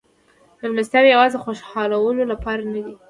مېلمستیاوې یوازې د خوشحالولو لپاره نه وې.